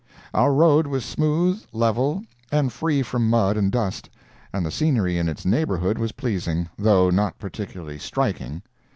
Our road was smooth, level, and free from mud and dust, and the scenery in its neighborhood was pleasing, though not particularly striking.